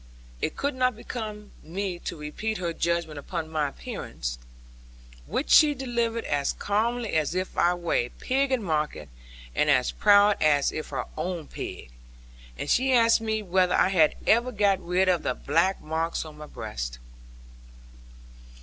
It would not become me to repeat her judgment upon my appearance, which she delivered as calmly as if I were a pig at market, and as proudly as if her own pig. And she asked me whether I had ever got rid of the black marks on my breast.